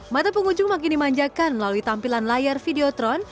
mata pengunjung makin dimanjakan melalui tampilan layar videotron